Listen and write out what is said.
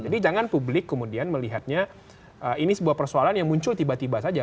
jadi jangan publik kemudian melihatnya ini sebuah persoalan yang muncul tiba tiba saja